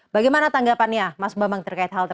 bagaimana tanggapannya mas bambang terkait halte